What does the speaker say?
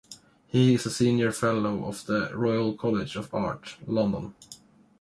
He is a Senior Fellow of the Royal College of Art, London.